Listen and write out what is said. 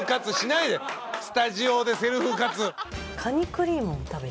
スタジオでセルフカツ。